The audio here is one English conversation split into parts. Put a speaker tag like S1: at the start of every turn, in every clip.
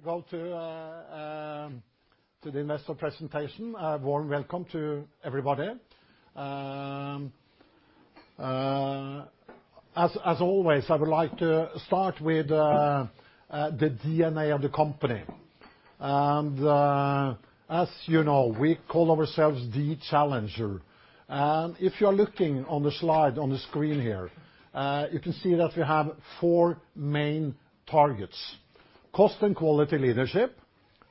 S1: We go to the investor presentation. A warm welcome to everybody. As always, I would like to start with the DNA of the company. As you know, we call ourselves the challenger. If you are looking on the slide on the screen here, you can see that we have four main targets. Cost and quality leadership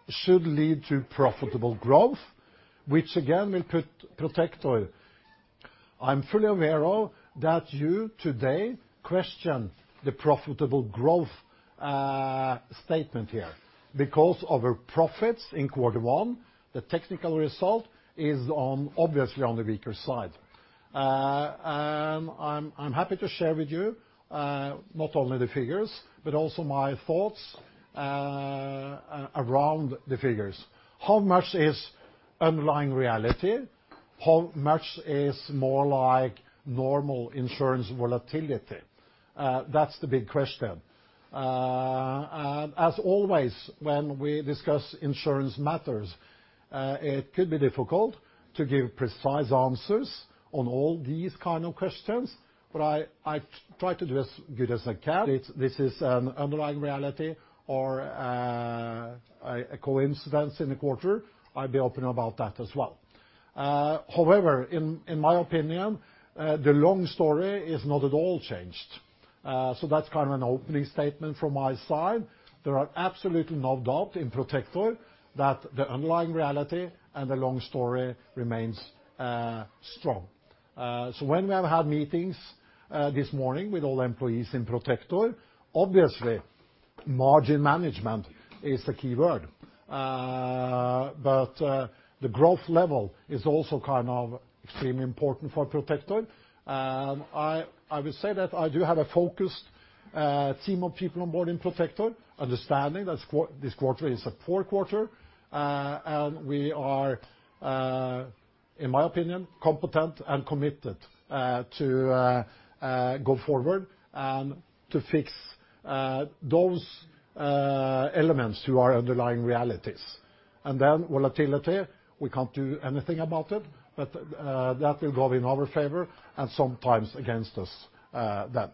S1: should lead to profitable growth, which again will Protector. I'm fully aware that you today question the profitable growth statement here because of our profits in quarter one. The technical result is obviously on the weaker side. I'm happy to share with you not only the figures, but also my thoughts around the figures. How much is underlying reality? How much is more like normal insurance volatility? That's the big question. As always, when we discuss insurance matters, it could be difficult to give precise answers on all these kind of questions, but I try to do as good as I can. This is an underlying reality or a coincidence in the quarter. I'll be open about that as well. However, in my opinion, the long story is not at all changed. That's an opening statement from my side. There are absolutely no doubt in Protector that the underlying reality and the long story remains strong. When we have had meetings this morning with all employees in Protector, obviously margin management is the key word. The growth level is also extremely important for Protector. I will say that I do have a focused team of people on board in Protector, understanding that this quarter is a poor quarter. We are, in my opinion, competent and committed to go forward and to fix those elements to our underlying realities. Then volatility, we can't do anything about it, but that will go in our favor and sometimes against us then.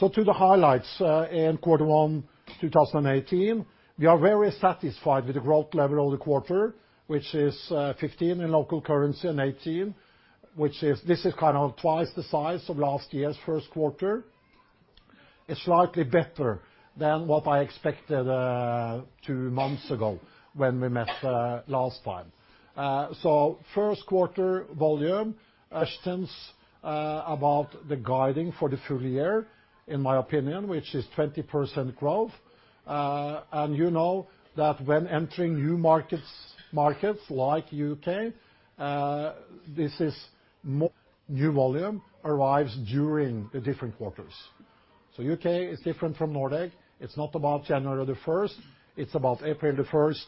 S1: To the highlights. In quarter one 2018, we are very satisfied with the growth level of the quarter, which is 15% in local currency and 18%. This is twice the size of last year's first quarter. It's slightly better than what I expected 2 months ago when we met last time. First quarter volume stands above the guiding for the full year, in my opinion, which is 20% growth. You know that when entering new markets like U.K., new volume arrives during the different quarters. U.K. is different from Nordic. It's not about January the 1st. It's about April the 1st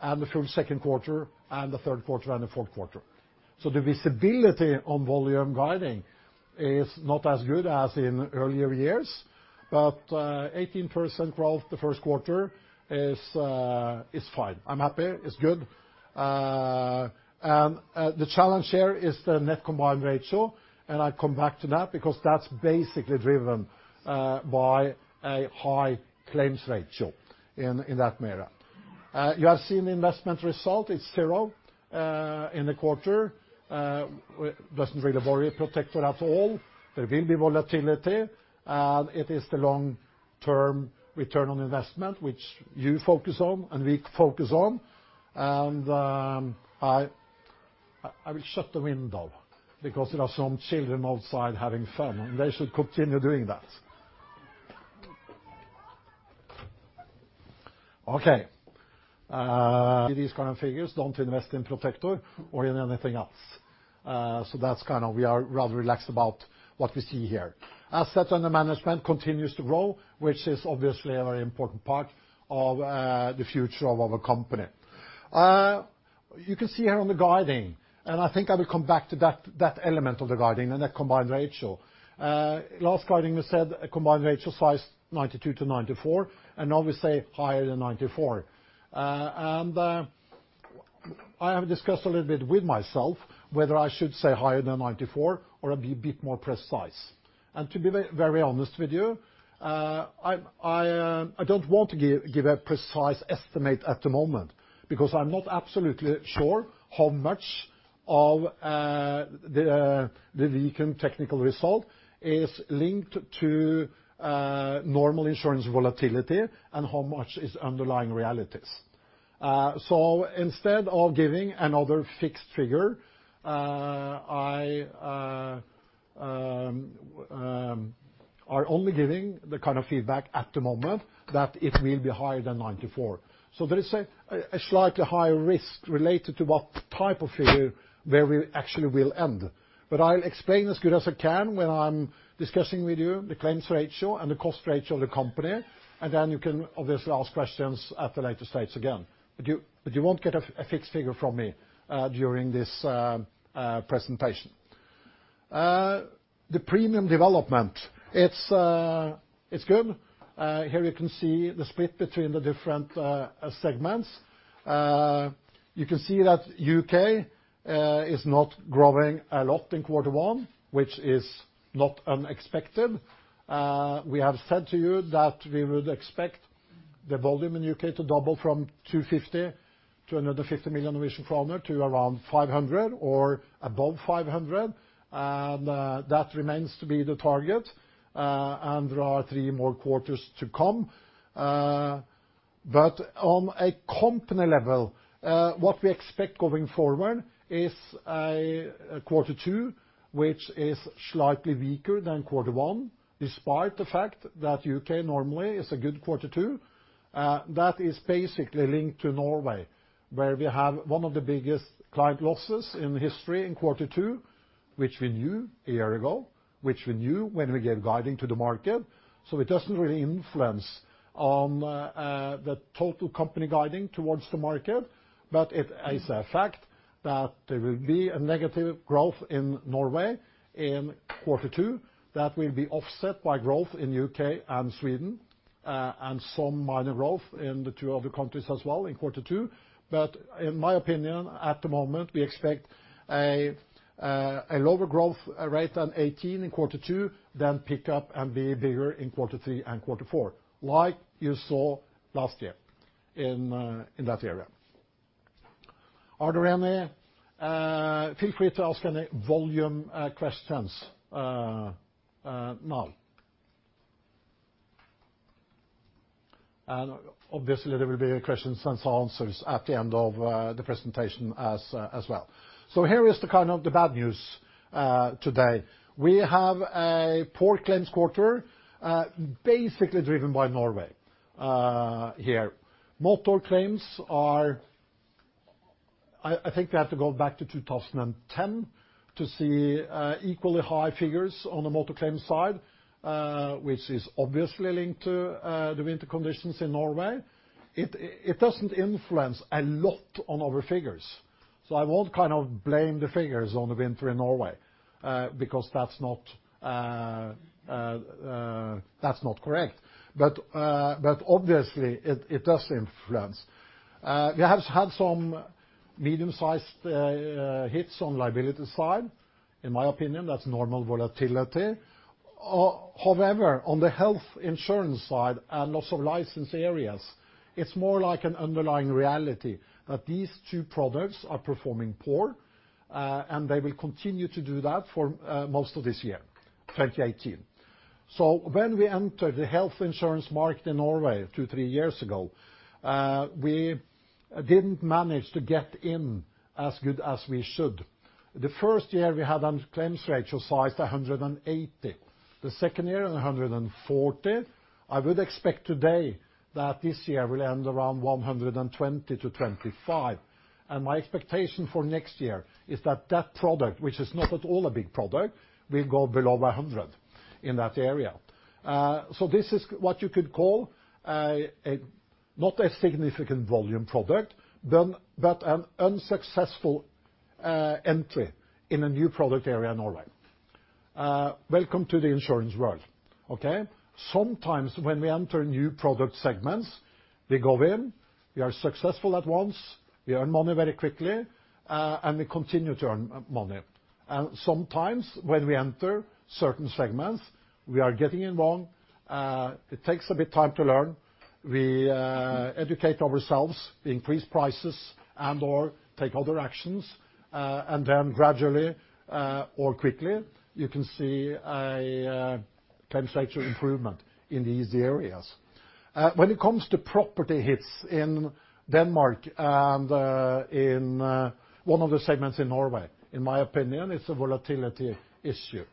S1: and the full second quarter and the third quarter and the fourth quarter. The visibility on volume guiding is not as good as in earlier years. 18% growth the first quarter is fine. I'm happy. It's good. The challenge here is the net combined ratio, I come back to that because that's basically driven by a high claims ratio in that matter. You have seen the investment result. It's 0 in the quarter. It doesn't really worry Protector at all. There will be volatility. It is the long-term return on investment, which you focus on and we focus on. I will shut the window because there are some children outside having fun, and they should continue doing that. Okay. These kind of figures don't invest in Protector or in anything else. We are rather relaxed about what we see here. Assets under management continues to grow, which is obviously a very important part of the future of our company. You can see here on the guiding, I think I will come back to that element of the guiding and that combined ratio. Last guiding we said a combined ratio size 92% to 94%, now we say higher than 94%. I have discussed a little bit with myself whether I should say higher than 94% or a bit more precise. To be very honest with you, I don't want to give a precise estimate at the moment because I'm not absolutely sure how much of the weakened technical result is linked to normal insurance volatility and how much is underlying realities. Instead of giving another fixed figure, I are only giving the kind of feedback at the moment that it will be higher than 94%. There is a slightly higher risk related to what type of figure where we actually will end. I'll explain as good as I can when I'm discussing with you the claims ratio and the cost ratio of the company, then you can obviously ask questions at the later stage again. You won't get a fixed figure from me during this presentation. The premium development, it's good. Here you can see the split between the different segments. You can see that U.K. is not growing a lot in quarter one, which is not unexpected. We have said to you that we would expect the volume in U.K. to double from 250 to another 50 million Norwegian kroner to around 500 or above 500, that remains to be the target. There are three more quarters to come. On a company level, what we expect going forward is a quarter two, which is slightly weaker than quarter one, despite the fact that U.K. normally is a good quarter two. That is basically linked to Norway, where we have one of the biggest client losses in history in quarter two, which we knew a year ago, which we knew when we gave guiding to the market. It doesn't really influence on the total company guiding towards the market. It is a fact that there will be a negative growth in Norway in quarter two that will be offset by growth in U.K. and Sweden, and some minor growth in the two other countries as well in quarter two. In my opinion, at the moment, we expect a lower growth rate than 18% in quarter two than pick up and be bigger in quarter three and quarter four, like you saw last year in that area. Are there any Feel free to ask any volume questions now. Obviously, there will be questions and answers at the end of the presentation as well. Here is the bad news today. We have a poor claims quarter, basically driven by Norway here. Motor claims are, I think we have to go back to 2010 to see equally high figures on the motor claims side, which is obviously linked to the winter conditions in Norway. It doesn't influence a lot on our figures. I won't blame the figures on the winter in Norway, because that's not correct. Obviously, it does influence. We have had some medium-sized hits on liability side. In my opinion, that's normal volatility. However, on the health insurance side and also license areas, it's more like an underlying reality that these two products are performing poor, and they will continue to do that for most of this year, 2018. When we entered the health insurance market in Norway two, three years ago, we didn't manage to get in as good as we should. The first year, we had a claims ratio size 180. The second year, 140. I would expect today that this year will end around 120 to 25. My expectation for next year is that that product, which is not at all a big product, will go below 100 in that area. This is what you could call not a significant volume product, but an unsuccessful entry in a new product area in Norway. Welcome to the insurance world, okay. Sometimes when we enter new product segments, we go in, we are successful at once, we earn money very quickly, and we continue to earn money. Sometimes when we enter certain segments, we are getting in wrong. It takes a bit time to learn. We educate ourselves, we increase prices and/or take other actions. Then gradually or quickly, you can see a claims ratio improvement in these areas. When it comes to property hits in Denmark and in one of the segments in Norway, in my opinion, it's a volatility issue.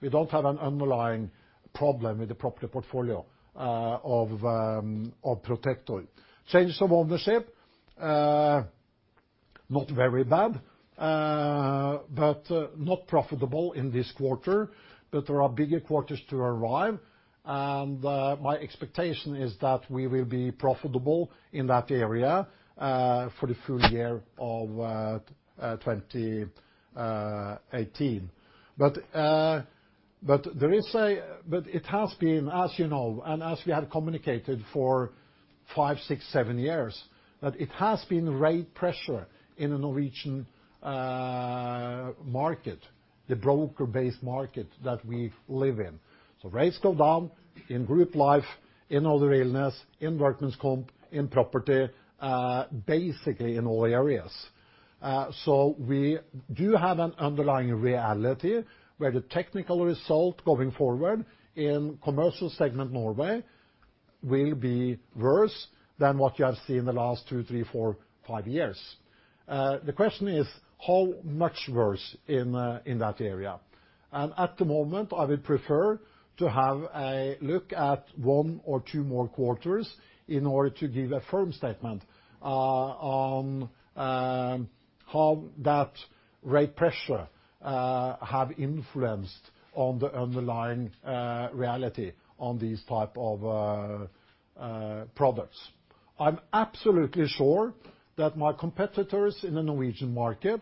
S1: We don't have an underlying problem with the property portfolio of Protector. Change of Ownership, not very bad. Not profitable in this quarter, but there are bigger quarters to arrive, and my expectation is that we will be profitable in that area for the full year of 2018. It has been, as you know, and as we have communicated for five, six, seven years, that it has been rate pressure in the Norwegian market, the broker-based market that we live in. Rates go down in Group Life, in Other Illness, in Workmen's Comp, in property, basically in all areas. We do have an underlying reality where the technical result going forward in commercial segment Norway will be worse than what you have seen in the last two, three, four, five years. The question is how much worse in that area. At the moment, I would prefer to have a look at one or two more quarters in order to give a firm statement on how that rate pressure have influenced on the underlying reality on these type of products. I'm absolutely sure that my competitors in the Norwegian market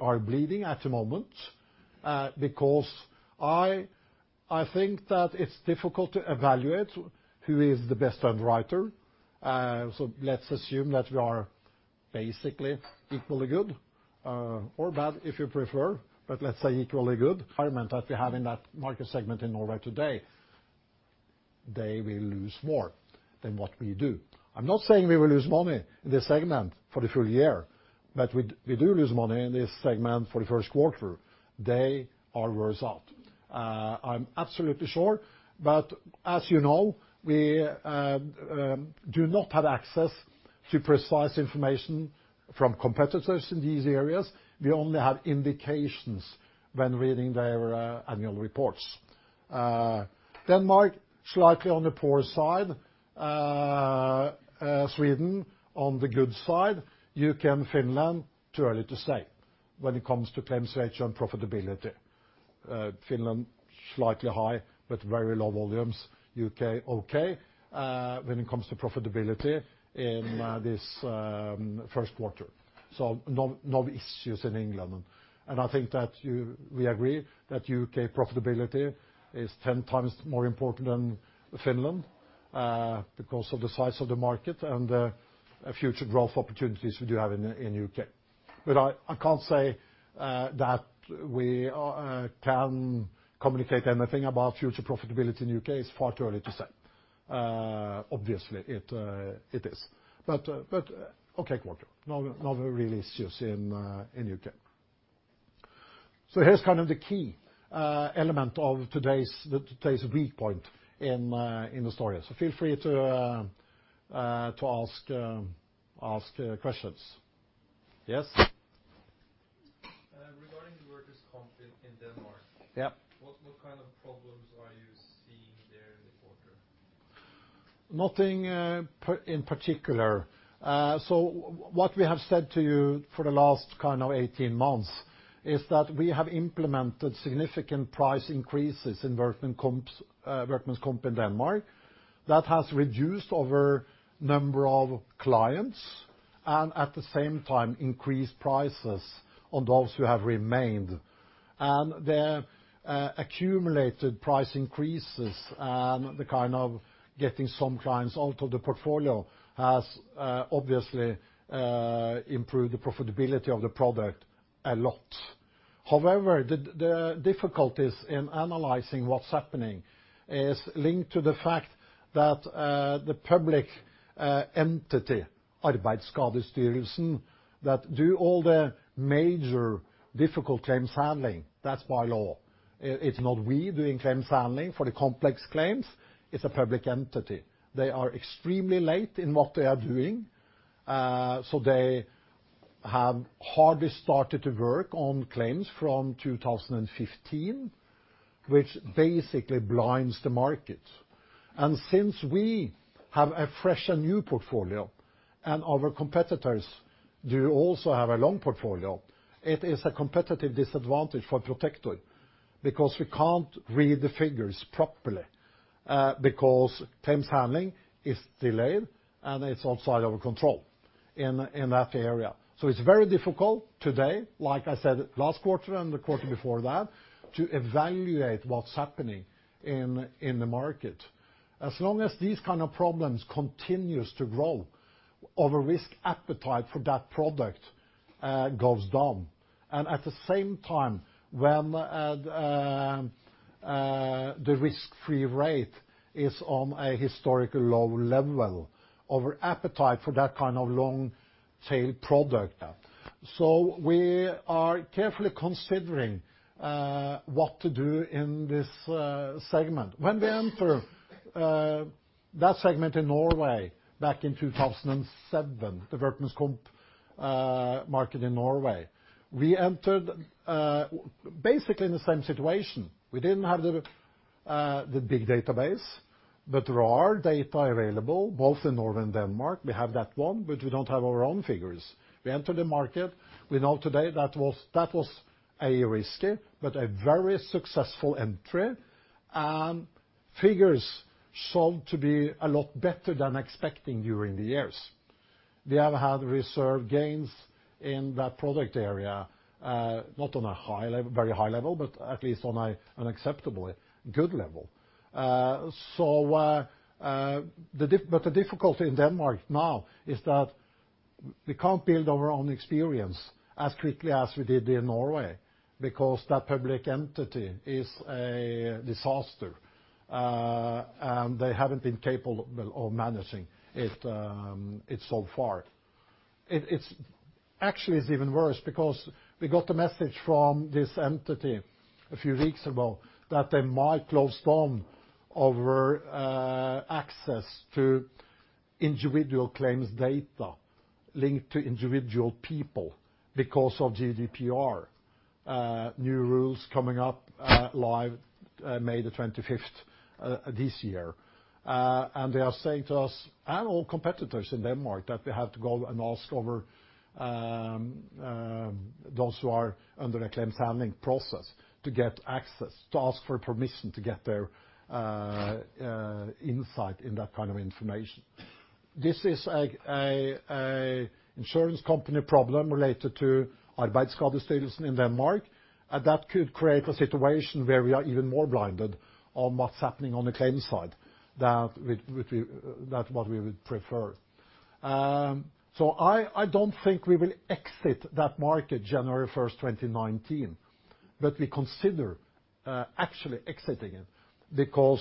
S1: are bleeding at the moment, because I think that it's difficult to evaluate who is the best underwriter. Let's assume that we are basically equally good, or bad if you prefer, but let's say equally good. Environment that we have in that market segment in Norway today, they will lose more than what we do. I'm not saying we will lose money in this segment for the full year, but we do lose money in this segment for the first quarter. They are worse off. I'm absolutely sure, as you know, we do not have access to precise information from competitors in these areas. We only have indications when reading their annual reports. Denmark, slightly on the poor side. Sweden, on the good side. U.K. and Finland, too early to say when it comes to claims ratio and profitability. Finland, slightly high, but very low volumes. U.K., okay, when it comes to profitability in this first quarter. No issues in England. I think that we agree that U.K. profitability is 10 times more important than Finland, because of the size of the market and the future growth opportunities we do have in U.K. I can't say that we can communicate anything about future profitability in U.K. It's far too early to say. Obviously, it is. Okay quarter. Not really issues in U.K. Here's the key element of today's weak point in the story. Feel free to ask questions. Yes.
S2: Regarding the Workmen's Comp in Denmark.
S1: Yep.
S2: What kind of problems are you seeing there in the quarter?
S1: Nothing in particular. What we have said to you for the last 18 months is that we have implemented significant price increases in Workmen's Comp in Denmark. That has reduced our number of clients and at the same time increased prices on those who have remained. The accumulated price increases and the getting some clients out of the portfolio has obviously improved the profitability of the product a lot. However, the difficulties in analyzing what's happening is linked to the fact that the public entity, Arbejdsskadestyrelsen, that do all the major difficult claims handling, that's by law. It's not we doing claims handling for the complex claims, it's a public entity. They are extremely late in what they are doing. They have hardly started to work on claims from 2015, which basically blinds the market. Since we have a fresh and new portfolio and our competitors do also have a long portfolio, it is a competitive disadvantage for Protector because we can't read the figures properly, because claims handling is delayed and it's outside our control in that area. It's very difficult today, like I said last quarter and the quarter before that, to evaluate what's happening in the market. As long as these kind of problems continues to grow, our risk appetite for that product goes down. At the same time, when the risk-free rate is on a historical low level, our appetite for that kind of long-tail product. We are carefully considering what to do in this segment. When we enter that segment in Norway back in 2007, the Workmen's Comp market in Norway, we entered basically in the same situation. We didn't have the big database, but there are data available both in Norway and Denmark. We have that one, but we don't have our own figures. We entered the market. We know today that was a risky but a very successful entry, and figures showed to be a lot better than expecting during the years. We have had reserve gains in that product area, not on a very high level, but at least on an acceptably good level. The difficulty in Denmark now is that we can't build our own experience as quickly as we did in Norway, because that public entity is a disaster. They haven't been capable of managing it so far. Actually, it's even worse because we got a message from this entity a few weeks ago that they might close down our access to individual claims data linked to individual people because of GDPR. New rules coming up live May 25th this year. They are saying to us and all competitors in Denmark that they have to go and ask those who are under a claims handling process to get access, to ask for permission to get their insight in that kind of information. This is an insurance company problem related to in Denmark, and that could create a situation where we are even more blinded on what's happening on the claims side than what we would prefer. I don't think we will exit that market January 1st, 2019. We consider actually exiting it.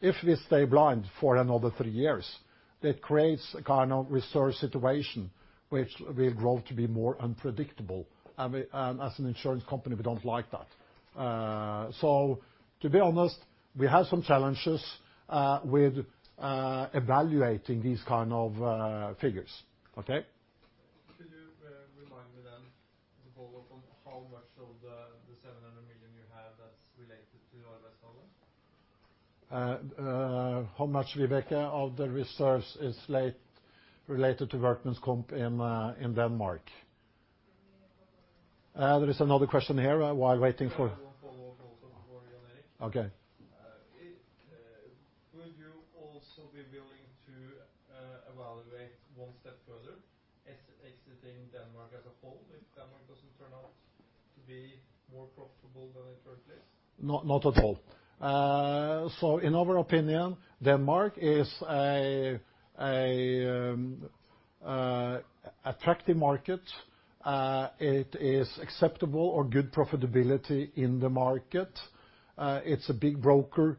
S1: If we stay blind for another three years, that creates a kind of reserve situation which will grow to be more unpredictable. As an insurance company, we don't like that. To be honest, we have some challenges with evaluating these kind of figures. Okay.
S2: Could you remind me then, to follow up on how much of the 700 million NOK you have that's related to.
S1: How much, Viveka, of the reserves is related to workmen's comp in Denmark?
S3: Give me a couple of minutes.
S1: There is another question here while waiting for.
S2: I have one follow-up also for Jan Erik.
S1: Okay.
S2: Would you also be willing to evaluate one step further, exiting Denmark as a whole if Denmark doesn't turn out to be more profitable than in first place?
S1: Not at all. In our opinion, Denmark is an attractive market. It is acceptable or good profitability in the market. It's a big broker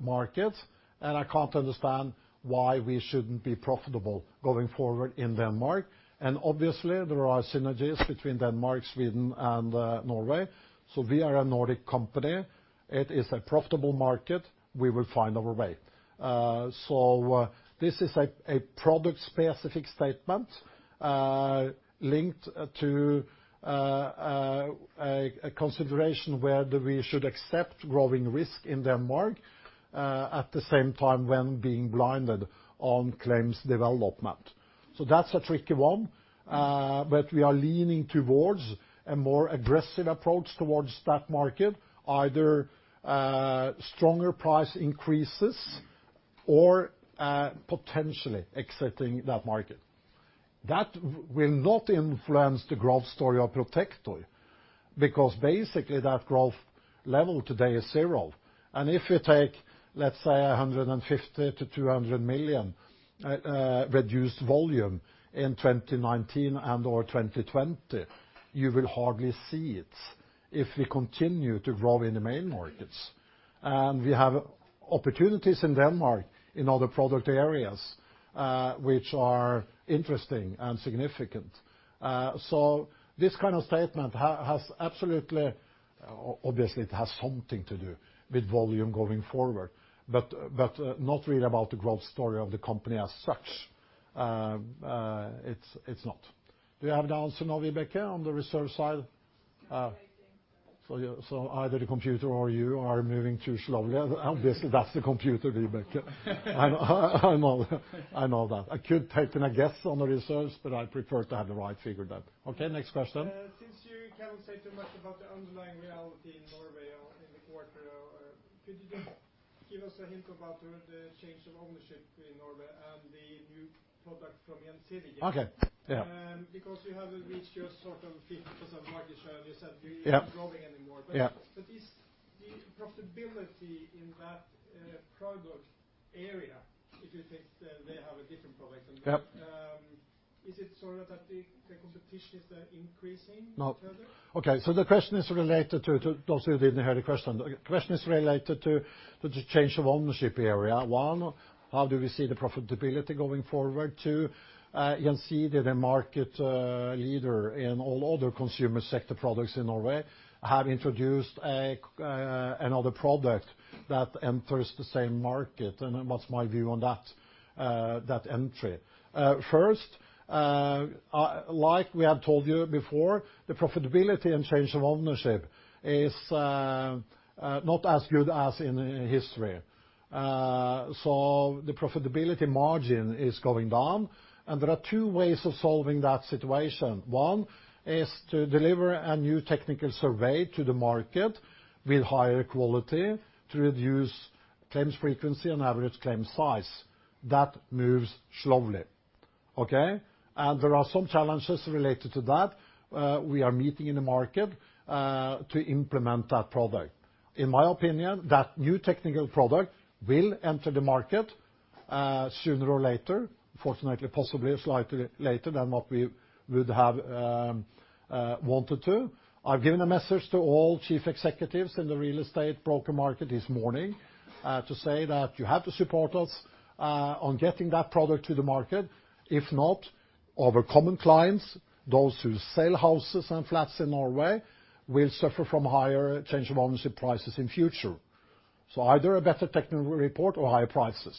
S1: market. I can't understand why we shouldn't be profitable going forward in Denmark, and obviously there are synergies between Denmark, Sweden, and Norway. We are a Nordic company. It is a profitable market. We will find our way. This is a product-specific statement, linked to a consideration whether we should accept growing risk in Denmark, at the same time when being blinded on claims development. That's a tricky one. We are leaning towards a more aggressive approach towards that market, either stronger price increases or potentially exiting that market. That will not influence the growth story of Protector, because basically that growth level today is zero. If you take, let's say, 150 million-200 million reduced volume in 2019 and/or 2020, you will hardly see it if we continue to grow in the main markets. We have opportunities in Denmark in other product areas, which are interesting and significant. This kind of statement obviously it has something to do with volume going forward, but not really about the growth story of the company as such. It's not. Do you have the answer now, Viveka, on the reserve side?
S2: Still waiting.
S1: Either the computer or you are moving too slowly. Obviously, that's the computer, Viveka. I know that. I could take a guess on the reserves, but I prefer to have the right figure there. Okay, next question.
S4: Since you cannot say too much about the underlying reality in Norway in the quarter, could you just give us a hint about the Change of Ownership in Norway and the new product from Gjensidige?
S1: Okay. Yeah.
S4: You have reached your 50% market share, and you said you're not growing anymore.
S1: Yeah.
S4: Is the profitability in that product area, if you think they have a different product than you?
S1: Yeah.
S4: Is it so that the competition is increasing further?
S1: No. The question is related to, those who didn't hear the question, the question is related to the Change of Ownership area. One, how do we see the profitability going forward? Two, Gjensidige, the market leader in all other consumer sector products in Norway, have introduced another product that enters the same market. What's my view on that entry? First, like we have told you before, the profitability in Change of Ownership is not as good as in history. The profitability margin is going down, and there are two ways of solving that situation. One is to deliver a new technical survey to the market with higher quality to reduce claims frequency and average claim size. That moves slowly. Okay? There are some challenges related to that we are meeting in the market to implement that product. In my opinion, that new technical product will enter the market sooner or later. Unfortunately, possibly slightly later than what we would have wanted to. I've given a message to all chief executives in the real estate broker market this morning to say that you have to support us on getting that product to the market. If not, our common clients, those who sell houses and flats in Norway, will suffer from higher Change of Ownership prices in future. Either a better technical report or higher prices.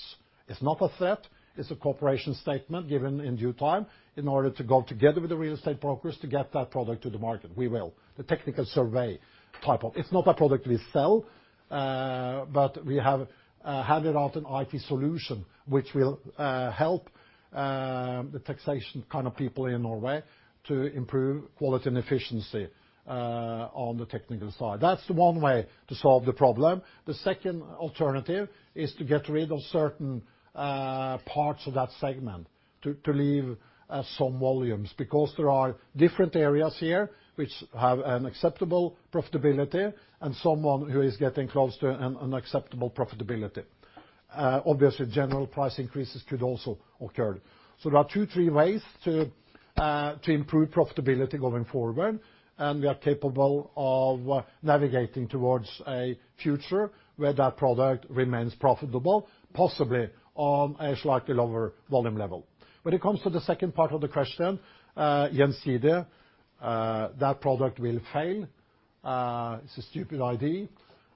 S1: It's not a threat. It's a cooperation statement given in due time in order to go together with the real estate brokers to get that product to the market. We will. The technical survey, it's not a product we sell. We have handed out an IT solution which will help the taxation kind of people in Norway to improve quality and efficiency on the technical side. That's one way to solve the problem. The second alternative is to get rid of certain parts of that segment to leave some volumes, because there are different areas here which have an acceptable profitability and someone who is getting close to an unacceptable profitability. Obviously, general price increases could also occur. There are two, three ways to improve profitability going forward, and we are capable of navigating towards a future where that product remains profitable, possibly on a slightly lower volume level. When it comes to the second part of the question, Gjensidige, that product will fail. It's a stupid idea.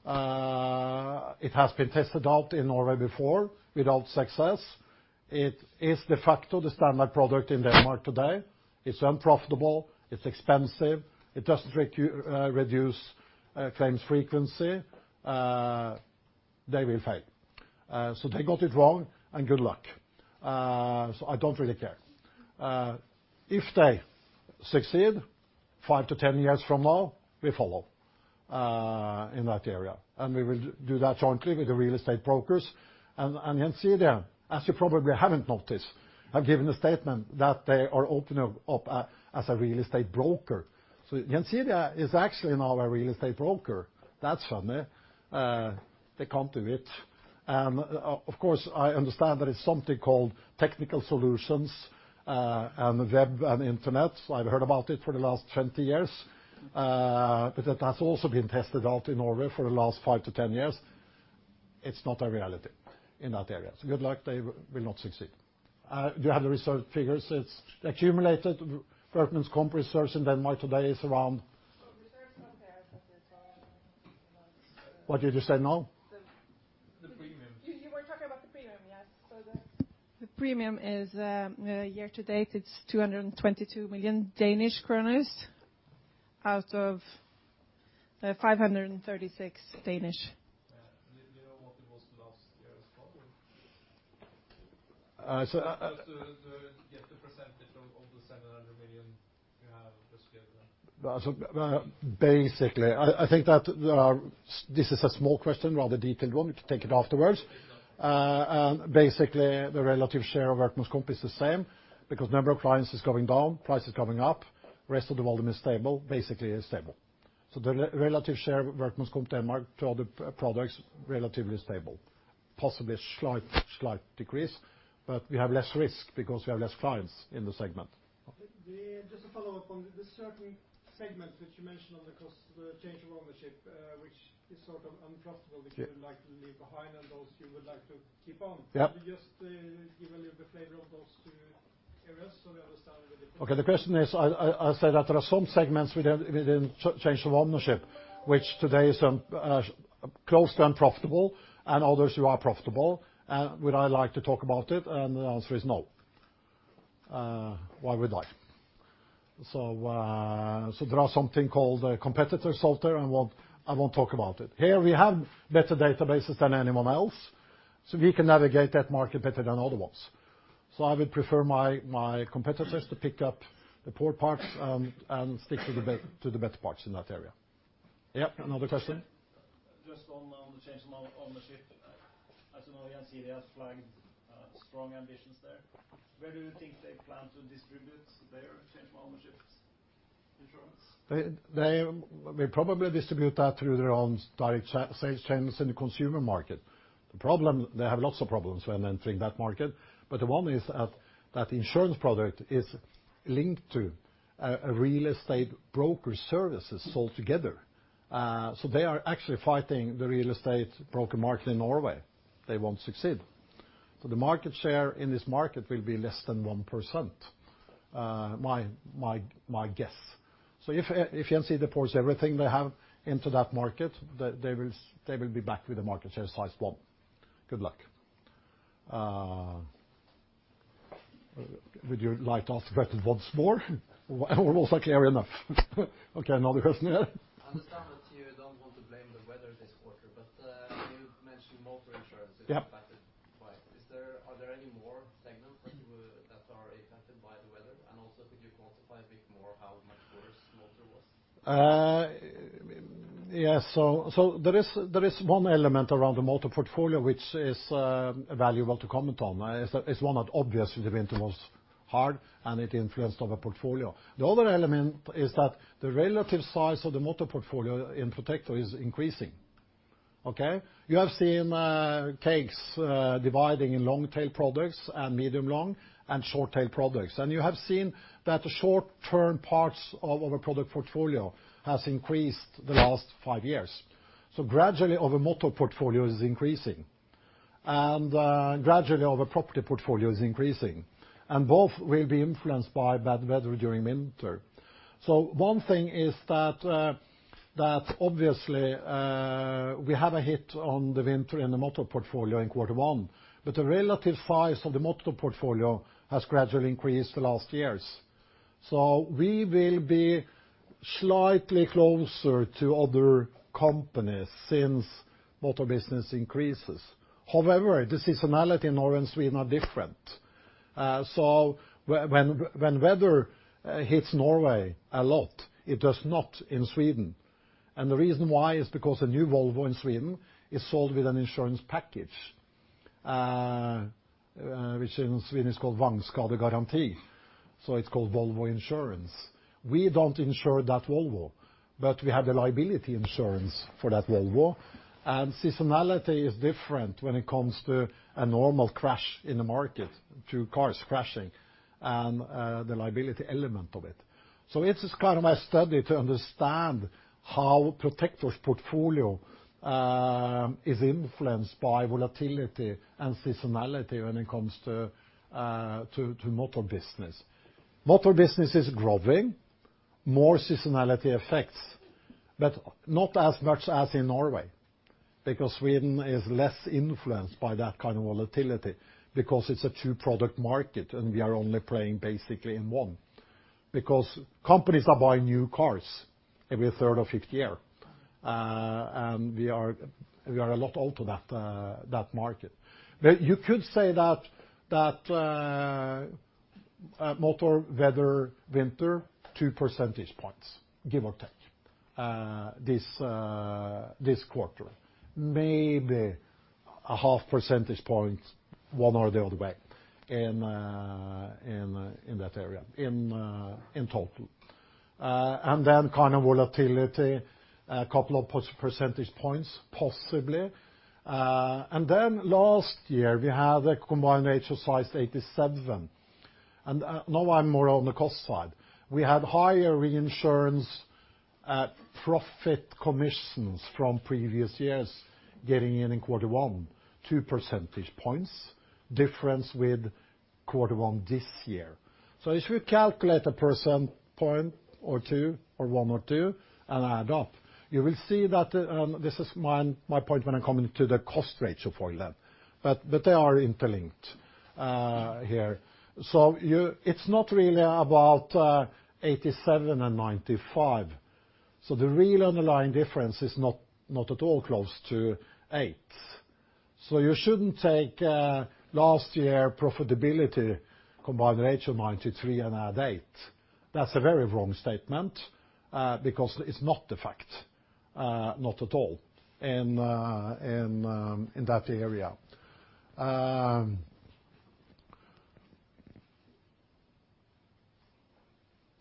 S1: It has been tested out in Norway before without success. It is de facto the standard product in Denmark today. It's unprofitable. It's expensive. It doesn't reduce claims frequency. They will fail. They got it wrong, and good luck. I don't really care. If they succeed 5 to 10 years from now, we follow in that area, and we will do that jointly with the real estate brokers. Gjensidige, as you probably haven't noticed, have given a statement that they are opening up as a real estate broker. Gjensidige is actually now a real estate broker. That's funny. They can't do it. Of course, I understand that it's something called technical solutions and web and internet. I've heard about it for the last 20 years. That has also been tested out in Norway for the last 5 to 10 years. It's not a reality in that area. Good luck. They will not succeed. Do you have the reserved figures? It's accumulated. Workmen's Comp reserves in Denmark today is around.
S3: The reserves are there, but it's.
S1: What did you say now?
S2: The- The premium.
S3: you were talking about the premium, yes. The premium is year to date, it's 222 million Danish kroner out of 536 million.
S2: Do you know what it was last year as well or?
S1: So I- Just to get the percentage of the DKK 700 million you have this year then. Basically, I think that this is a small question, rather detailed one. We can take it afterwards.
S2: Okay.
S1: Basically, the relative share of Workmen's Comp is the same because number of clients is going down, price is going up. The rest of the volume is stable. Basically, it's stable. The relative share of Workmen's Comp Denmark to other products, relatively stable. Possibly a slight decrease, but we have less risk because we have less clients in the segment.
S4: Just to follow up on this. There are certain segments that you mentioned on the Change of Ownership, which is sort of unprofitable which you would like to leave behind, and those you would like to keep on.
S1: Yep.
S4: Can you just give a little flavor of those two areas so we understand a little bit more?
S1: Okay. The question is, I said that there are some segments within Change of Ownership, which today is close to unprofitable and others who are profitable. Would I like to talk about it? The answer is no. Why would I? There are something called a competitor out there, and I won't talk about it. Here we have better databases than anyone else, so we can navigate that market better than other ones. I would prefer my competitors to pick up the poor parts and stick to the better parts in that area. Yep. Another question.
S4: Just on the Change of Ownership. As you know, Gjensidige has flagged strong ambitions there. Where do you think they plan to distribute their Change of Ownership insurance?
S1: They probably distribute that through their own direct sales channels in the consumer market. The problem, they have lots of problems when entering that market, but the one is that that insurance product is linked to a real estate broker services sold together. They are actually fighting the real estate broker market in Norway. They won't succeed. The market share in this market will be less than 1%, my guess. If Gjensidige pours everything they have into that market, they will be back with a market share size 1. Good luck. Would you like to ask questions once more? Or was I clear enough? Okay, another question there.
S4: I understand that you don't want to blame the weather this quarter, but you mentioned motor insurance-
S1: Yep
S4: impacted price. Are there any more segments that are impacted by the weather? Could you quantify a bit more how much worse Motor was?
S1: Yes. There is one element around the Motor portfolio which is valuable to comment on. It's one that obviously the winter was hard, and it influenced our portfolio. The other element is that the relative size of the Motor portfolio in Protector is increasing. Okay? You have seen takes dividing in long-tail products, and medium long, and short-tail products. You have seen that the short-term parts of our product portfolio has increased the last 5 years. Gradually, our Motor portfolio is increasing, and gradually our Property portfolio is increasing, and both will be influenced by bad weather during winter. One thing is that obviously, we have a hit on the winter in the Motor portfolio in quarter 1. The relative size of the Motor portfolio has gradually increased the last years. We will be slightly closer to other companies since Motor business increases. However, the seasonality in Norway and Sweden are different. When weather hits Norway a lot, it does not in Sweden. The reason why is because a new Volvo in Sweden is sold with an insurance package, which in Sweden is called. It's called Volvo Insurance. We don't insure that Volvo, but we have the Liability insurance for that Volvo. Seasonality is different when it comes to a normal crash in the market, 2 cars crashing, and the Liability element of it. It is kind of a study to understand how Protector's portfolio is influenced by volatility and seasonality when it comes to Motor business. Motor business is growing, more seasonality effects, but not as much as in Norway, because Sweden is less influenced by that kind of volatility because it's a 2-product market, and we are only playing basically in one. Companies are buying new cars every 3rd or 5th year, and we are a lot out of that market. You could say that Motor weather winter, 2 percentage points, give or take, this quarter. Maybe a half percentage point one or the other way in that area, in total. Kind of volatility, a couple of percentage points possibly. Last year, we had a Combined Ratio size 87%. Now I'm more on the cost side. We had higher reinsurance at Profit Commissions from previous years getting in in quarter 1, 2 percentage points difference with quarter 1 this year. If you calculate a percentage point or two, or one or two, and add up, you will see that this is my point when I'm coming to the cost ratio for that. They are interlinked here. It's not really about 87 and 95. The real underlying difference is not at all close to 8. You shouldn't take last year profitability combined ratio 93 and add 8. That's a very wrong statement, because it's not the fact, not at all, in that area.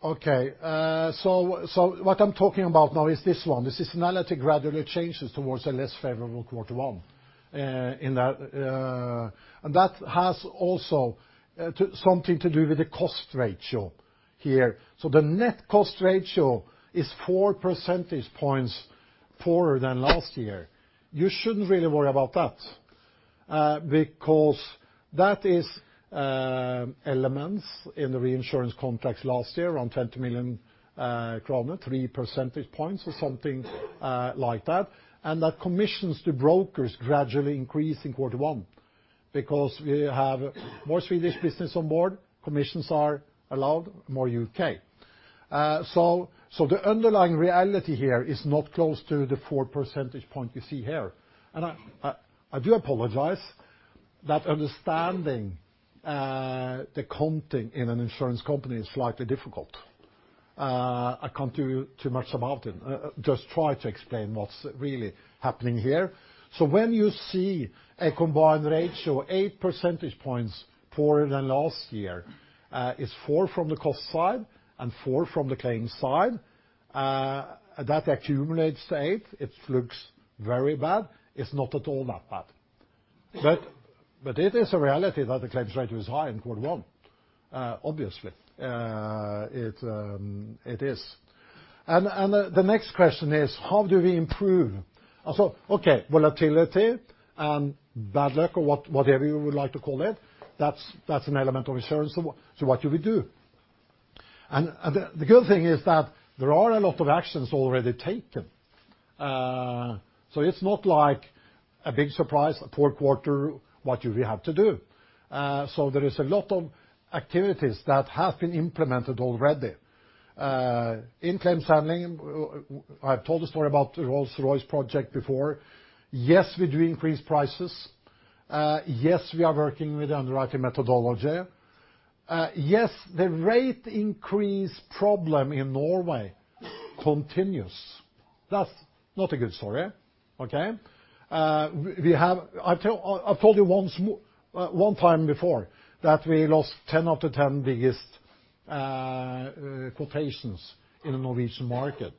S1: Okay. What I'm talking about now is this one. The seasonality gradually changes towards a less favorable quarter one. That has also something to do with the cost ratio here. The net cost ratio is 4 percentage points poorer than last year. You shouldn't really worry about that, because that is elements in the reinsurance contracts last year, around 20 million kroner, 3 percentage points or something like that. That commissions to brokers gradually increase in quarter one because we have more Swedish business on board, commissions are allowed, more U.K. The underlying reality here is not close to the 4 percentage points you see here. I do apologize that understanding the counting in an insurance company is slightly difficult. I can't do too much about it. Just try to explain what's really happening here. When you see a combined ratio, 8 percentage points poorer than last year, it's four from the cost side and four from the claim side. That accumulates to eight. It looks very bad. It's not at all that bad. It is a reality that the claims ratio is high in quarter one, obviously. It is. The next question is, how do we improve? Okay, volatility and bad luck or whatever you would like to call it, that's an element of insurance. What do we do? The good thing is that there are a lot of actions already taken. It's not like a big surprise, a poor quarter, what do we have to do? There is a lot of activities that have been implemented already. In claims handling, I've told the story about the Rolls-Royce project before. Yes, we do increase prices. Yes, we are working with underwriting methodology. Yes, the rate increase problem in Norway continues. That's not a good story, okay? I've told you one time before that we lost 10 out of 10 biggest quotations in the Norwegian market.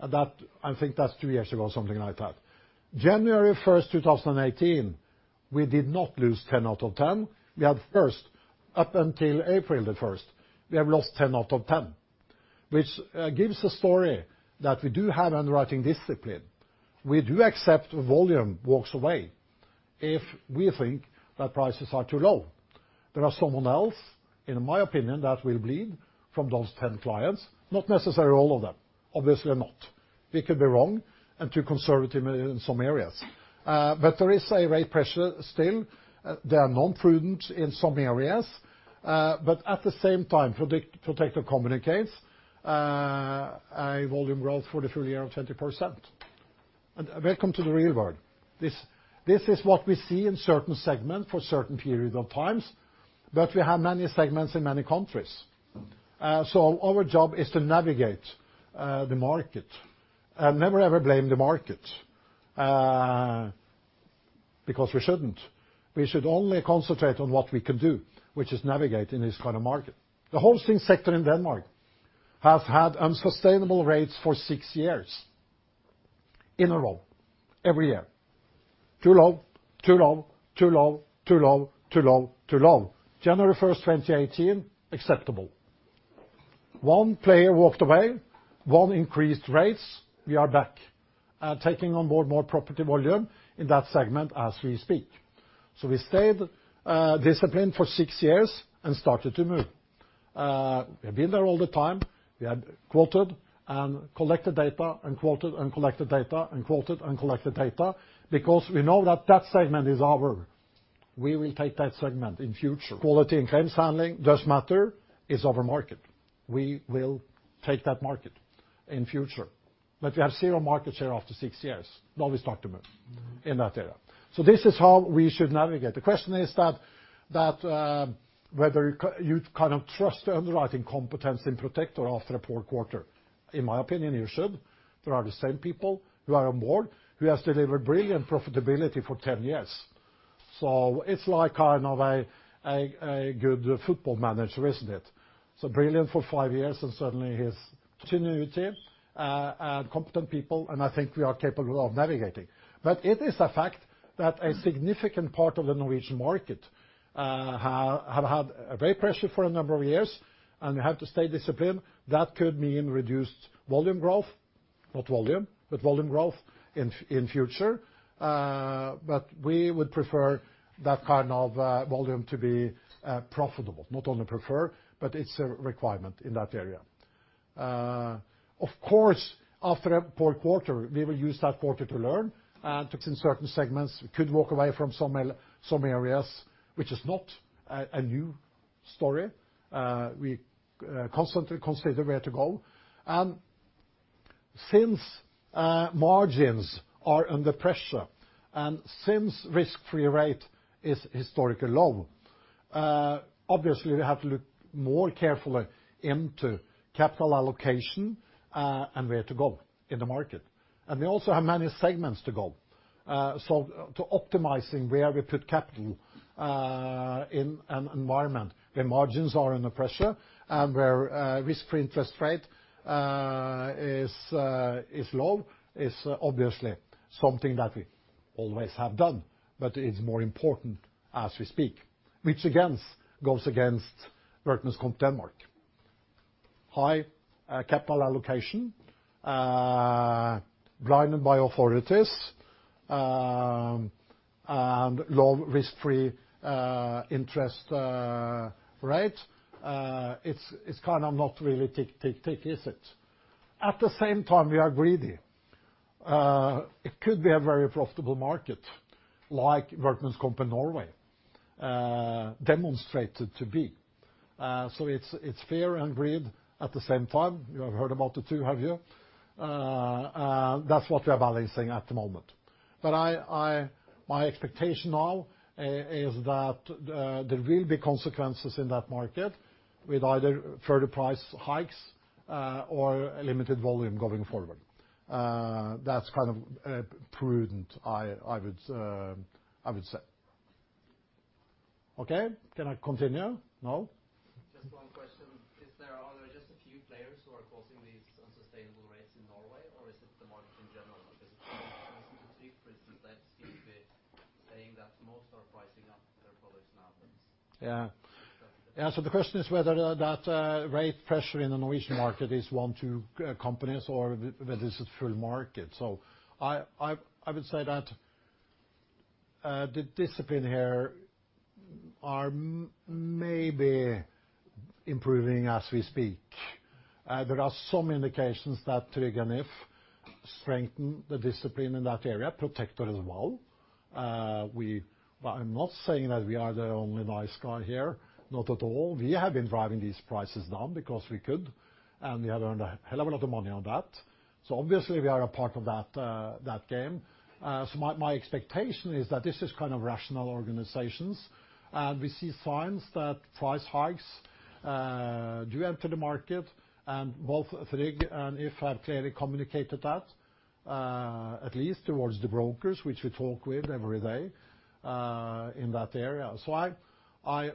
S1: I think that's two years ago, something like that. January 1st, 2018, we did not lose 10 out of 10. We had first up until April 1st, we have lost 10 out of 10, which gives a story that we do have underwriting discipline. We do accept volume walks away if we think that prices are too low. There are someone else, in my opinion, that will bleed from those 10 clients. Not necessarily all of them, obviously not. We could be wrong and too conservative in some areas. There is a rate pressure still. They are non-prudent in some areas. At the same time, Protector communicates a volume growth for the full year of 20%. Welcome to the real world. This is what we see in certain segments for certain periods of times, but we have many segments in many countries. Our job is to navigate the market and never ever blame the market, because we shouldn't. We should only concentrate on what we can do, which is navigate in this kind of market. The housing sector in Denmark has had unsustainable rates for six years in a row, every year. Too low, too low, too low, too low, too low, too low. January 1st, 2018, acceptable. One player walked away. One increased rates. We are back, taking on board more property volume in that segment as we speak. We stayed disciplined for six years and started to move. We have been there all the time. We have quoted and collected data, and quoted and collected data, and quoted and collected data because we know that that segment is ours. We will take that segment in future. Quality and claims handling does matter. It's our market. We will take that market in future. We have zero market share after six years. Now we start to move in that area. This is how we should navigate. The question is that whether you can trust the underwriting competence in Protector after a poor quarter. In my opinion, you should. They are the same people who are on board, who has delivered brilliant profitability for 10 years. It's like a good football manager, isn't it? Brilliant for five years and suddenly he's competent people, I think we are capable of navigating. It is a fact that a significant part of the Norwegian market have had a rate pressure for a number of years, we have to stay disciplined. That could mean reduced volume growth, not volume, but volume growth in future. We would prefer that kind of volume to be profitable. Not only prefer, but it's a requirement in that area. Of course, after a poor quarter, we will use that quarter to learn and fix in certain segments. We could walk away from some areas, which is not a new story. We constantly consider where to go. Since margins are under pressure and since risk-free rate is historically low, obviously we have to look more carefully into capital allocation, and where to go in the market. We also have many segments to go. To optimizing where we put capital in an environment where margins are under pressure and where risk-free interest rate is low is obviously something that we always have done, but is more important as we speak, which again, goes against Workmen's Comp Denmark. High capital allocation, blinded by authorities, and low risk-free interest rate. It's kind of not really tick, tick, is it? At the same time, we are greedy. It could be a very profitable market like Workmen's Comp in Norway demonstrated to be. It's fear and greed at the same time. You have heard about the two, have you? That's what we are balancing at the moment. My expectation now is that there will be consequences in that market with either further price hikes or limited volume going forward. That's kind of prudent, I would say. Okay, can I continue? No?
S4: Just one question. Are there just a few players who are causing these unsustainable rates in Norway, or is it the market in general? For instance, DNB still a bit saying that most are pricing up their products now.
S1: The question is whether that rate pressure in the Norwegian market is one, two companies or whether it's a full market. I would say that the discipline here is maybe improving as we speak. There are some indications that Tryg and IF strengthen the discipline in that area. Protector as well. I'm not saying that we are the only nice guy here. Not at all. We have been driving these prices down because we could, and we have earned a hell of a lot of money on that. Obviously we are a part of that game. My expectation is that this is kind of rational organizations, and we see signs that price hikes do enter the market and both Tryg and IF have clearly communicated that, at least towards the brokers, which we talk with every day, in that area. Again,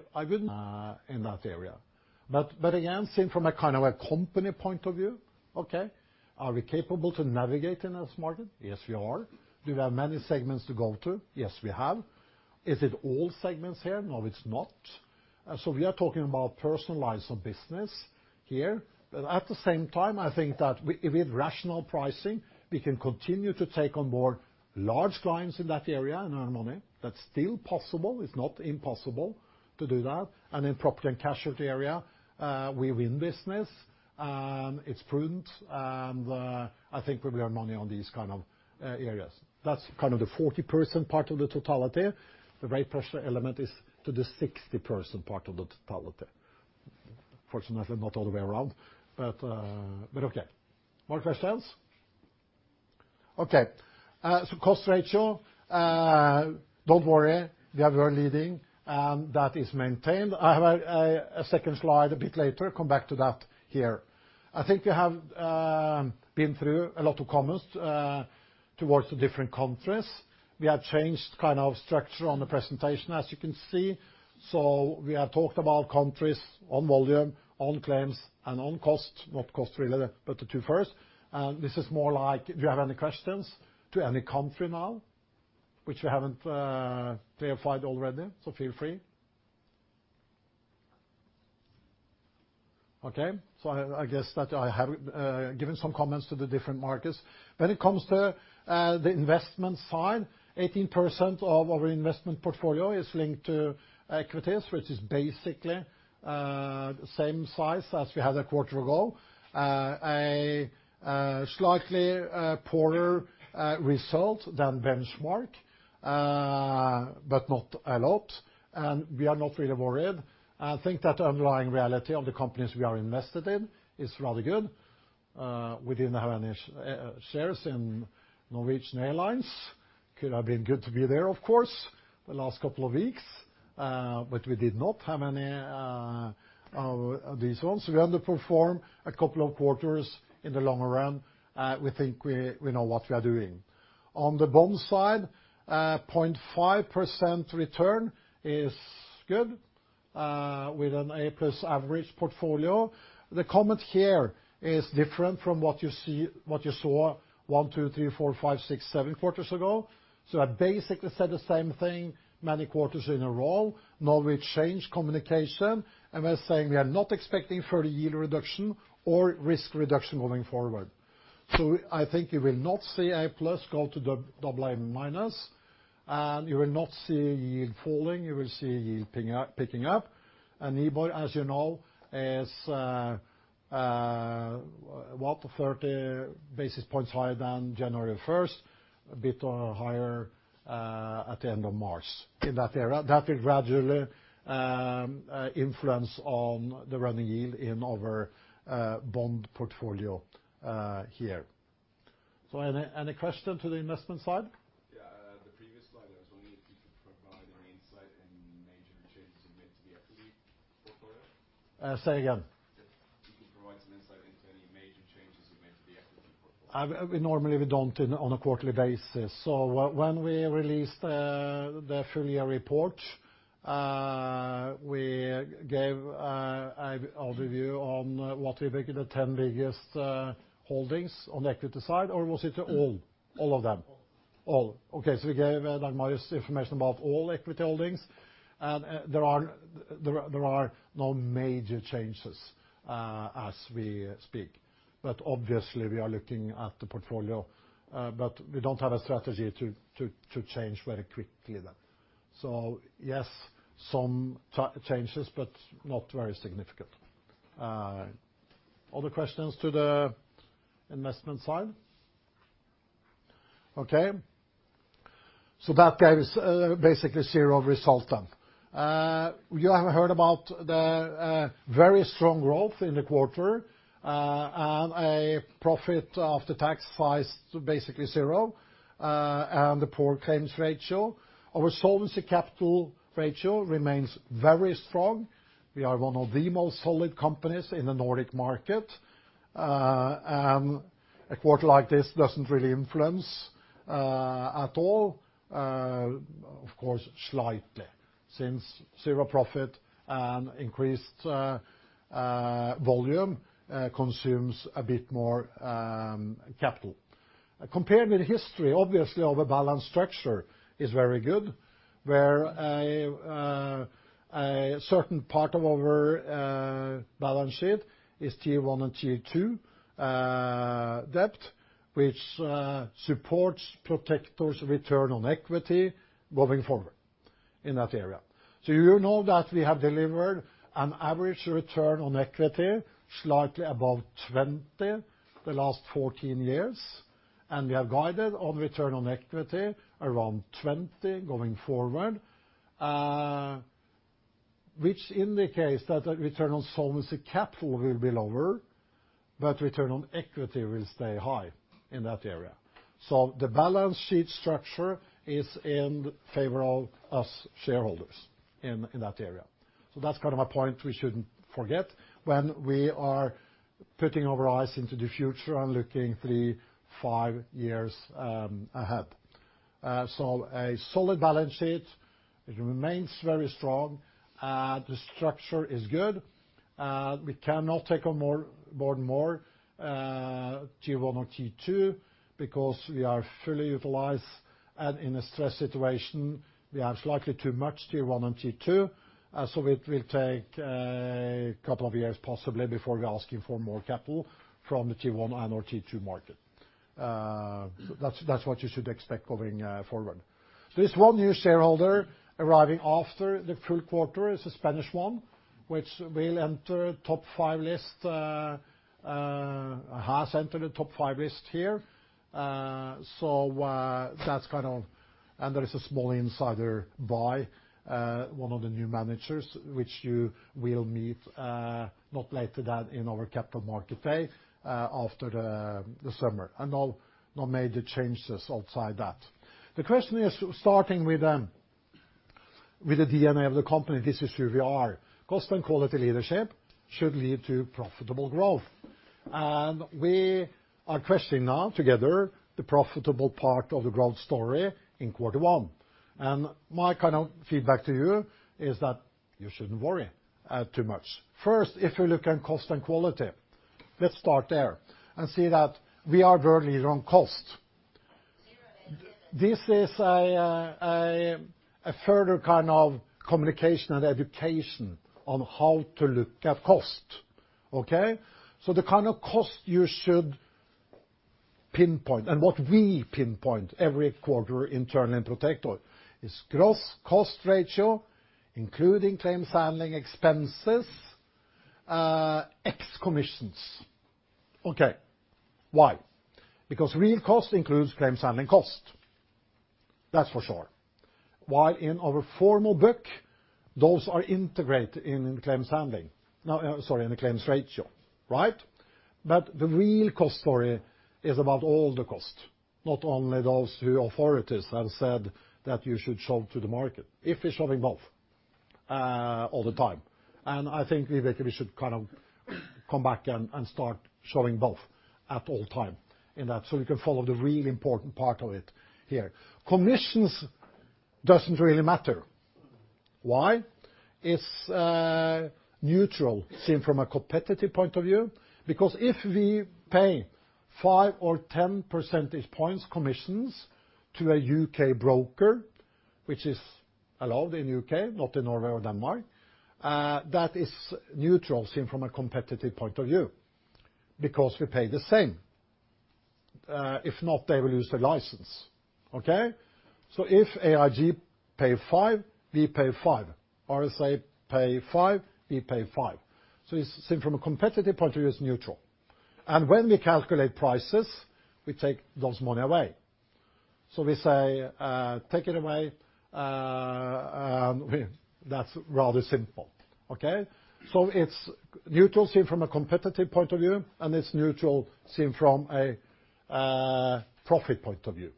S1: seen from a kind of a company point of view, are we capable to navigate in this market? Yes, we are. Do we have many segments to go to? Yes, we have. Is it all segments here? No, it's not. We are talking about personal lines of business here. At the same time, I think that with rational pricing, we can continue to take on more large clients in that area and earn money. That's still possible. It's not impossible to do that. In property and casualty area, we win business, it's prudent, and I think we will earn money on these kind of areas. That's the 40% part of the totality. The rate pressure element is to the 60% part of the totality. Fortunately not all the way around. Cost ratio, don't worry, we are world leading, and that is maintained. I have a second slide a bit later. Come back to that here. I think we have been through a lot of comments towards the different countries. We have changed structure on the presentation, as you can see. We have talked about countries on volume, on claims, and on cost. Not cost really, but the two first. This is, do you have any questions to any country now which we haven't clarified already? Feel free. I guess that I have given some comments to the different markets. When it comes to the investment side, 18% of our investment portfolio is linked to equities, which is basically the same size as we had a quarter ago. A slightly poorer result than benchmark, but not a lot. We are not really worried. I think that the underlying reality of the companies we are invested in is rather good. We didn't have any shares in Norwegian Air Shuttle. Could have been good to be there, of course, the last couple of weeks. We did not have any of these ones. We underperform a couple of quarters. In the long run, we think we know what we are doing. On the bond side, 0.5% return is good, with an A+ average portfolio. The comment here is different from what you saw one, two, three, four, five, six, seven quarters ago. I basically said the same thing many quarters in a row. Now we change communication, we are saying we are not expecting further yield reduction or risk reduction moving forward. I think you will not see A+ go to AA-. You will not see yield falling. You will see yield picking up. NIBOR, as you know, is about 30 basis points higher than January 1st, a bit higher at the end of March, in that area. That will gradually influence on the running yield in our bond portfolio here. Any question to the investment side?
S4: The previous slide, I was wondering if you could provide any insight in major changes you made to the equity portfolio.
S1: Say again.
S4: If you could provide some insight into any major changes you made to the equity portfolio.
S1: Normally we don't on a quarterly basis. When we released the full year report, we gave an overview on what we think are the 10 biggest holdings on the equity side. Or was it all? All of them.
S4: All.
S1: All. We gave that much information about all equity holdings, and there are no major changes as we speak. Obviously we are looking at the portfolio. We don't have a strategy to change very quickly then. Yes, some changes, but not very significant. Other questions to the investment side? That gave us basically zero result then. You have heard about the very strong growth in the quarter, and a profit after tax size basically zero, and the poor claims ratio. Our solvency capital ratio remains very strong. We are one of the most solid companies in the Nordic market. A quarter like this doesn't really influence at all. Of course, slightly, since zero profit and increased volume consumes a bit more capital. Compared with history, obviously our balance structure is very good, where a certain part of our balance sheet is Tier 1 and Tier 2 debt, which supports Protector's return on equity moving forward in that area. You know that we have delivered an average return on equity slightly above 20 the last 14 years, and we have guided on return on equity around 20 going forward. Which indicates that the return on solvency capital will be lower, but return on equity will stay high in that area. The balance sheet structure is in favor of us shareholders in that area. That's a point we shouldn't forget when we are putting our eyes into the future and looking three, five years ahead. A solid balance sheet. It remains very strong. The structure is good. We cannot take on board more Tier 1 or Tier 2 because we are fully utilized, and in a stress situation, we have slightly too much Tier 1 and Tier 2. It will take a couple of years possibly before we're asking for more capital from the Tier 1 and/or Tier 2 market. That's what you should expect going forward. There is one new shareholder arriving after the full quarter, is a Spanish one, which has entered the top five list here. There is a small insider buy, one of the new managers, which you will meet not later than in our capital market day, after the summer. No major changes outside that. The question is starting with the DNA of the company, this is who we are. Cost and quality leadership should lead to profitable growth. We are questioning now together the profitable part of the growth story in quarter one. My feedback to you is that you shouldn't worry too much. First, if you look at cost and quality, let's start there and see that we are the leader on cost. This is a further communication and education on how to look at cost. Okay. The kind of cost you should pinpoint and what we pinpoint every quarter internally in Protector is gross cost ratio, including claims handling expenses, ex commissions. Okay. Why? Because real cost includes claims handling cost. That's for sure. While in our formal book, those are integrated in claims handling. No, sorry, in the claims ratio. Right? The real cost story is about all the cost, not only those who authorities have said that you should show to the market. If we're showing both all the time, I think we should come back and start showing both at all time in that, we can follow the real important part of it here. Commissions doesn't really matter. Why? It's neutral seen from a competitive point of view, because if we pay 5 or 10 percentage points commissions to a U.K. broker, which is allowed in U.K., not in Norway or Denmark, that is neutral seen from a competitive point of view because we pay the same. If not, they will lose their license. Okay. If AIG pay five, we pay five. RSA pay five, we pay five. Seen from a competitive point of view, it's neutral. When we calculate prices, we take those money away. We say, take it away, and that's rather simple. Okay. It's neutral seen from a competitive point of view, it's neutral seen from a profit point of view.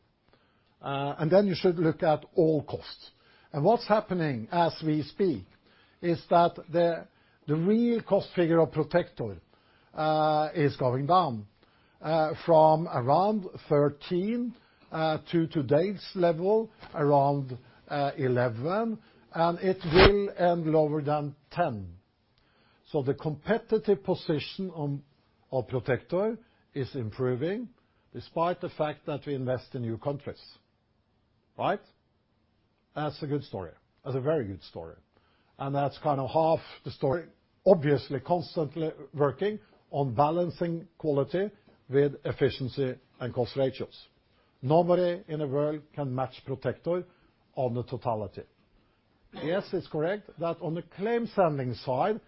S1: Then you should look at all costs. What's happening as we speak is that the real cost figure of Protector is going down, from around 13 to today's level, around 11, and it will end lower than 10. The competitive position of Protector is improving despite the fact that we invest in new countries. Right. That's a good story. That's a very good story. That's half the story. Obviously, constantly working on balancing quality with efficiency and cost ratios. Nobody in the world can match Protector on the totality. Yes, it's correct that on the claims handling side,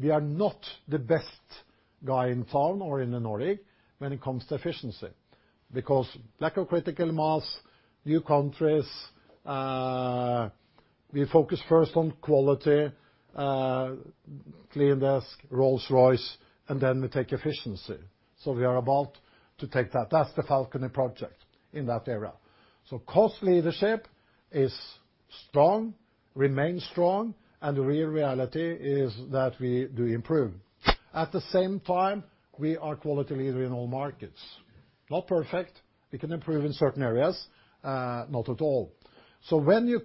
S1: we are not the best guy in town or in the Nordic when it comes to efficiency, because lack of critical mass, new countries. We focus first on quality, clean desk, Rolls-Royce, then we take efficiency. We are about to take that. That's the Falcon project in that area. Cost leadership is strong, remains strong, and the real reality is that we do improve. At the same time, we are quality leader in all markets. Not perfect. We can improve in certain areas. Not at all. When you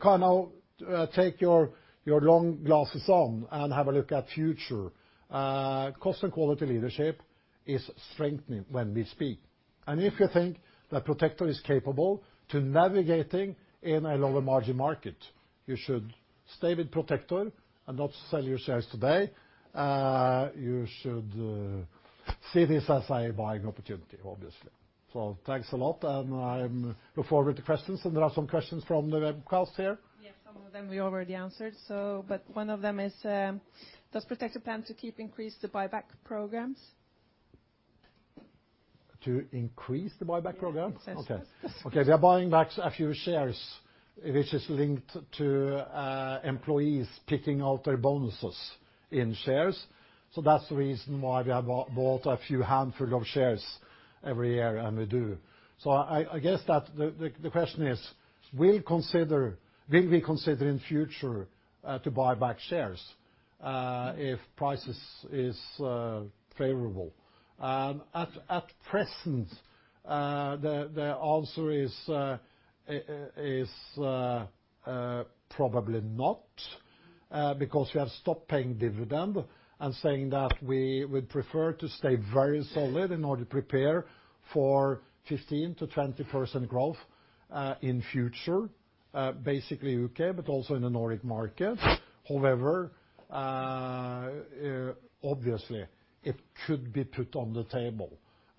S1: take your long glasses on and have a look at future, cost and quality leadership is strengthening when we speak. If you think that Protector is capable to navigating in a lower margin market, you should stay with Protector and not sell your shares today. You should see this as a buying opportunity, obviously. Thanks a lot, and I look forward to questions. There are some questions from the webcast here.
S3: Yes, some of them we already answered. One of them is, does Protector plan to keep increase the buyback programs?
S1: To increase the buyback programs?
S3: Yes.
S1: Okay. We are buying back a few shares, which is linked to employees picking out their bonuses in shares. That's the reason why we have bought a few handful of shares every year, and we do. I guess that the question is, will we consider in future to buy back shares, if prices is favorable? At present, the answer is probably not. Because we have stopped paying dividend and saying that we would prefer to stay very solid in order to prepare for 15%-20% growth in future, basically U.K., but also in the Nordic market. Obviously, it could be put on the table,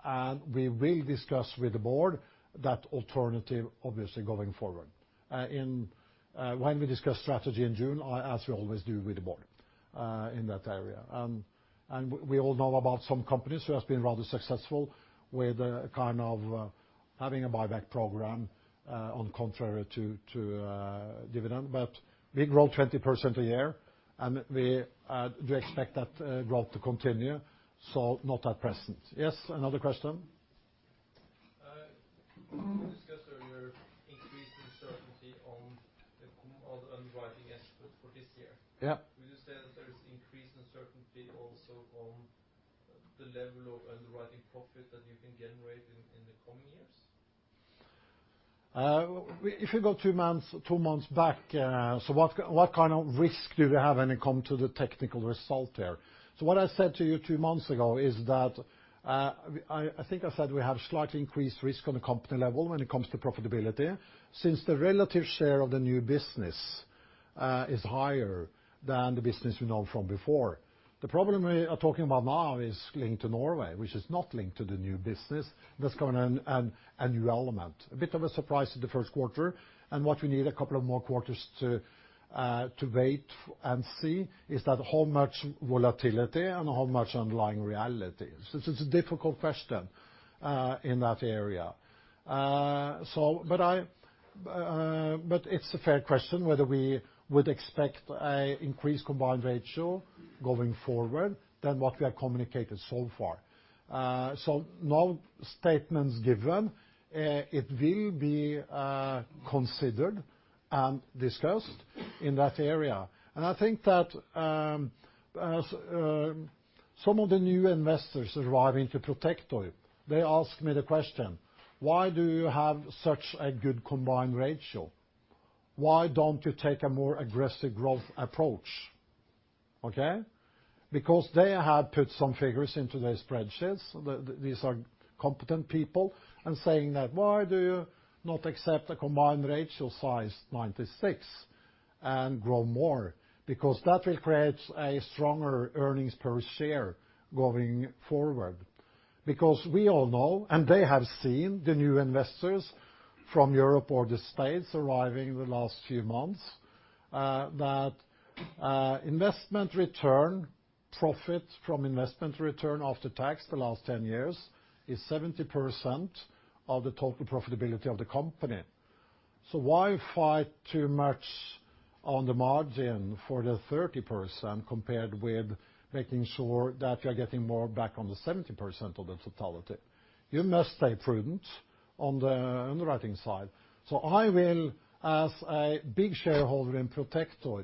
S1: and we will discuss with the board that alternative, obviously, going forward. When we discuss strategy in June, as we always do with the board in that area. We all know about some companies who has been rather successful with kind of having a buyback program on contrary to dividend. We grow 20% a year, and we do expect that growth to continue, so not at present. Yes, another question.
S2: You discussed earlier increasing certainty on the underwriting profit for this year.
S1: Yeah.
S2: Would you say that there is increase in certainty also on the level of underwriting profit that you can generate in the coming years?
S1: If you go two months back, what kind of risk do we have when it come to the technical result there? What I said to you two months ago is that, I think I said we have slightly increased risk on a company level when it comes to profitability, since the relative share of the new business is higher than the business we know from before. The problem we are talking about now is linked to Norway, which is not linked to the new business. That's kind of a new element. A bit of a surprise in the first quarter, what we need a couple of more quarters to wait and see is that how much volatility and how much underlying reality. It's a difficult question in that area. It's a fair question whether we would expect increased combined ratio going forward than what we have communicated so far. No statement is given. It will be considered and discussed in that area. I think that some of the new investors arriving to Protector, they ask me the question, "Why do you have such a good combined ratio? Why don't you take a more aggressive growth approach?" Okay? Because they have put some figures into their spreadsheets. These are competent people, and saying that, "Why do you not accept a combined ratio size 96 and grow more? That will create a stronger earnings per share going forward." We all know, and they have seen, the new investors from Europe or the U.S. arriving the last few months, that investment return, profit from investment return after tax the last 10 years, is 70% of the total profitability of the company. Why fight too much on the margin for the 30% compared with making sure that you are getting more back on the 70% of the totality? You must stay prudent on the underwriting side. I will, as a big shareholder in Protector,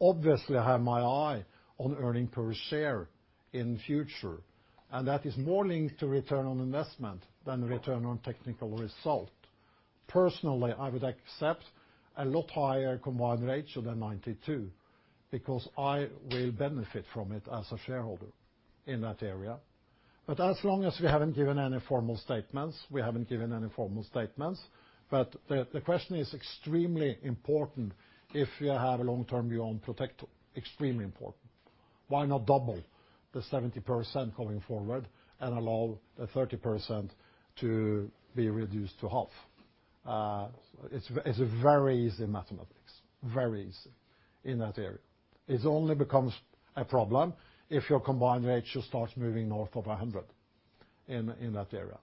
S1: obviously have my eye on earning per share in future. That is more linked to return on investment than return on technical result. Personally, I would accept a lot higher combined ratio than 92, because I will benefit from it as a shareholder in that area. As long as we haven't given any formal statements, we haven't given any formal statements. The question is extremely important if you have a long-term view on Protector, extremely important. Why not double the 70% going forward and allow the 30% to be reduced to half? It's very easy mathematics, very easy in that area. It only becomes a problem if your combined ratio starts moving north of 100 in that area.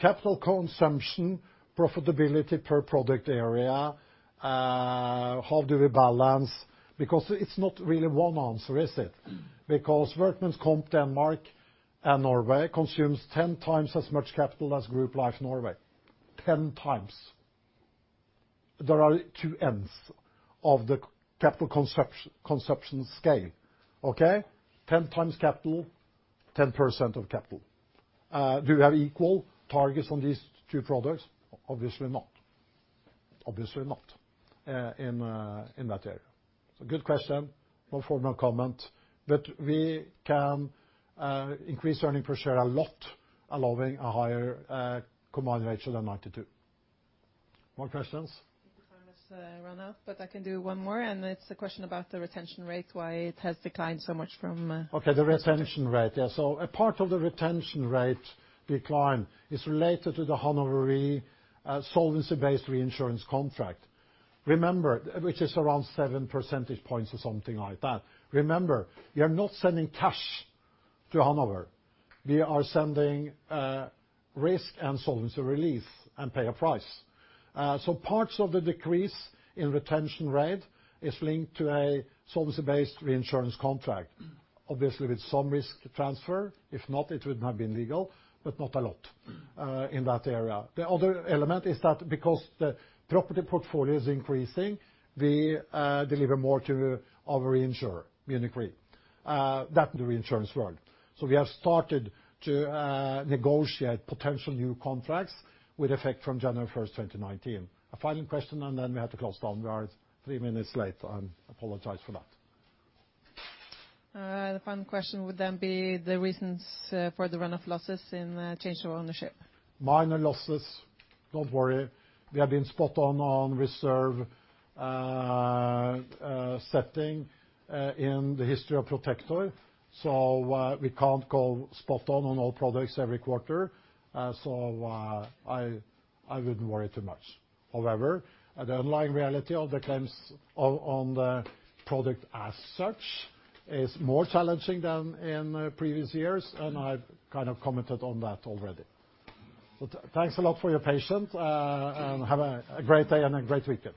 S1: Capital consumption, profitability per product area, how do we balance? Because it's not really one answer, is it? Because Workmen's Comp Denmark and Norway consumes 10 times as much capital as Group Life Norway. 10 times. There are two ends of the capital consumption scale, okay? 10 times capital, 10% of capital. Do you have equal targets on these two products? Obviously not. Obviously not in that area. Good question. No formal comment. We can increase earning per share a lot, allowing a higher combined ratio than 92. More questions?
S3: I think the time has run out, but I can do one more, and it's a question about the retention rate, why it has declined so much from-.
S1: Okay, the retention rate. Yeah, a part of the retention rate decline is related to the Hannover Re solvency-based reinsurance contract. Remember, which is around seven percentage points or something like that. Remember, we are not sending cash to Hannover. We are sending risk and solvency relief and pay a price. Parts of the decrease in retention rate is linked to a solvency-based reinsurance contract. Obviously, with some risk transfer. If not, it would not be legal, but not a lot in that area. The other element is that because the property portfolio is increasing, we deliver more to our insurer, Munich Re. That's the reinsurance world. We have started to negotiate potential new contracts with effect from January 1st, 2019. A final question, and then we have to close down. We are three minutes late. I apologize for that.
S3: The final question would then be the reasons for the run of losses in Change of Ownership.
S1: Minor losses. Don't worry. We have been spot on on reserve setting in the history of Protector. We can't call spot on on all products every quarter, so I wouldn't worry too much. However, the underlying reality of the claims on the product as such is more challenging than in previous years, and I've kind of commented on that already. Thanks a lot for your patience, and have a great day and a great weekend.